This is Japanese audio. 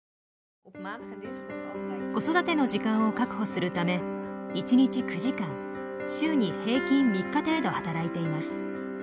子育ての時間を確保するため一日９時間週に平均３日程度働いています。